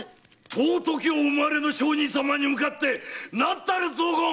尊きお生まれの上人様に向かって何たる雑言！